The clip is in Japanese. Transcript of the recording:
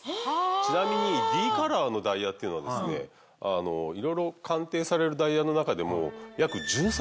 ちなみにＤカラーのダイヤっていうのはですねいろいろ鑑定されるダイヤの中でも。